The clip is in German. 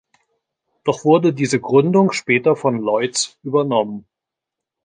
Doch wurde diese Gründung später von Lloyds übernommen.